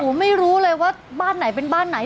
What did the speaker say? ไม่รู้เลยว่าบ้านไหนเป็นบ้านไหน